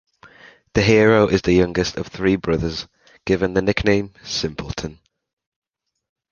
The hero is the youngest of three brothers, given the nickname "Simpleton".